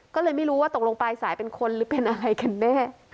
ก็เลยไม่รู้ว่าตกลงปลายสายเป็นคนหรือเป็นอะไรกันแน่